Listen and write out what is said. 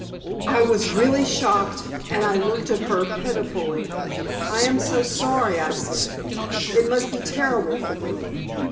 I was really shocked, and I looked at her pitifully. "I am so sorry," I said. "It must be terrible for you."